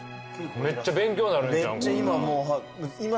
めっちゃ勉強になるんちゃう？